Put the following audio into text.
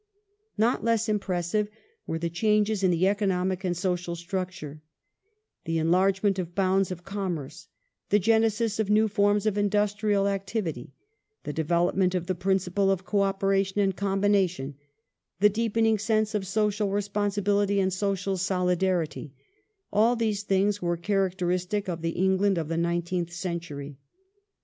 Not less impressive were the changes in the economic andJ social structure : the enlargement of the bounds of commerce ; the* genesis of new forms of industrial activity ; the development of the principles of co operation and combination ; the deepening sense of social responsibility and social solidarity, — all these things were characteristic of the England of the nineteenth century.